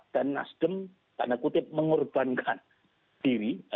dan nasdem tanda kutip mengorbankan diri